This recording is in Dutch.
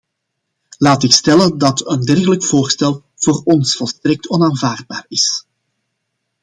Laat ik stellen dat een dergelijk voorstel voor ons volstrekt onaanvaardbaar is.